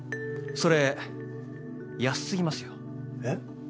それ安すぎますよえっ？